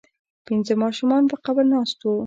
پنځه ماشومان په قبر ناست وو.